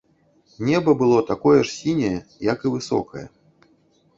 Неба было такое ж сіняе, як і высокае.